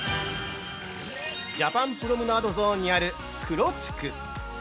ジャパンプロムナードゾーンにある「くろちく」。